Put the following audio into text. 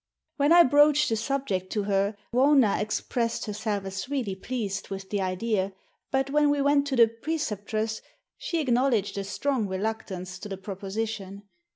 When I broached the subject to her, Wauna expressed herself as really pleased with the idea; but when we went to the Preceptress, she acknowledged a strong reluctance to the proposition.